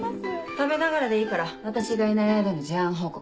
食べながらでいいから私がいない間の事案報告。